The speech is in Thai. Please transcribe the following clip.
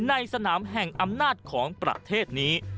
ในสนามแห่งอำนาจของประเทศนี้